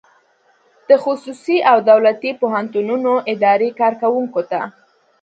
د خصوصي او دولتي پوهنتونونو اداري کارکوونکو ته